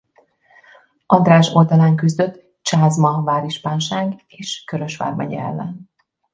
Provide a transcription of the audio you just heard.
András oldalán küzdött Csázma várispánság és Körös vármegye ellen.